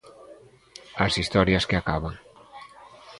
As historias que acaban.